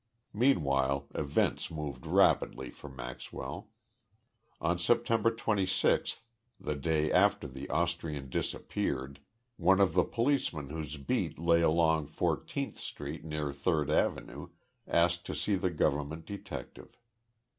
Meanwhile events moved rapidly for Maxwell. On September 26th, the day after the Austrian disappeared, one of the policemen whose beat lay along Fourteenth Street, near Third Avenue, asked to see the government detective.